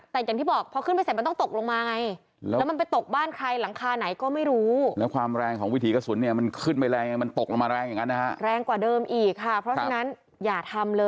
แต่อย่างที่บอกเพราะเข้าไปเสร็จมันต้องตกลงมา